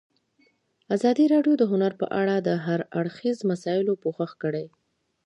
ازادي راډیو د هنر په اړه د هر اړخیزو مسایلو پوښښ کړی.